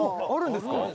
あるんですか？」